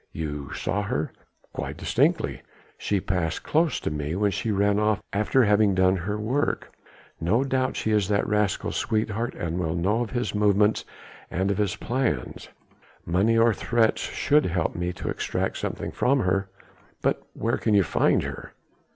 "You saw her?" "Quite distinctly. She passed close to me when she ran off after having done her work. No doubt she is that rascal's sweetheart and will know of his movements and of his plans. Money or threats should help me to extract something from her." "But where can you find her?"